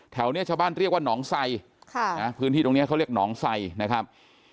แถวนี้ชาวบ้านเรียกว่าหนองไซค่ะนะพื้นที่ตรงนี้เขาเรียกหนองไซนะครับ